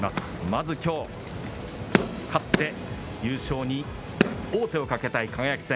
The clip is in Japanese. まずきょう、勝って、優勝に王手をかけたい輝戦。